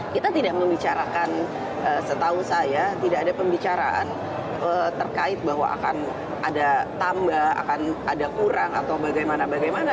kita tidak membicarakan setahu saya tidak ada pembicaraan terkait bahwa akan ada tambah akan ada kurang atau bagaimana bagaimana